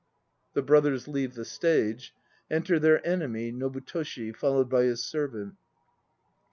(The BROTHERS leave the stage. Enter their enemy NOBU TOSHI, followed by his Servant.)